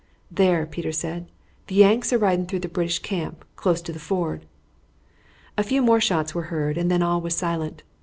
"There," Peter said, "the Yanks are riding through the British camp, close to the ford." A few more shots were heard, and then all was silent.